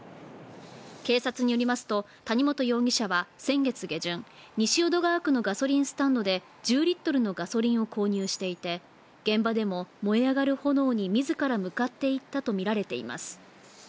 警察によりますと、谷本容疑者は先月下旬、西淀川区のガソリンスタンドで１０リットルのガソリンを購入していて、現場でも燃え上がる炎に自ら向かっていっったとみられています。